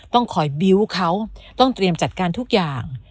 ต้องคอยบิวต์เขาต้องเตรียมจัดการทุกอย่าง